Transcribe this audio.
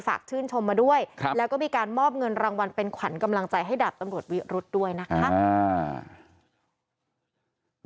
ชื่นชมมาด้วยแล้วก็มีการมอบเงินรางวัลเป็นขวัญกำลังใจให้ดาบตำรวจวิรุธด้วยนะคะ